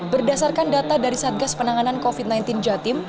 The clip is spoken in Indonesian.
berdasarkan data dari satgas penanganan covid sembilan belas jatim